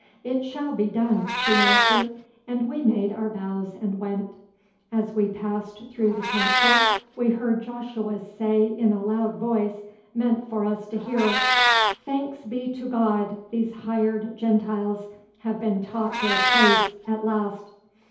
"It shall be done," she answered, and we made our bows and went. As we passed through the Council we heard Joshua say in a loud voice meant for us to hear: "Thanks be to God, these hired Gentiles have been taught their place at last."